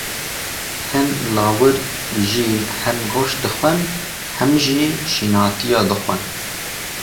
Hin lawir jî, hem goşt dixwin, hem jî şînatiyan dixwin.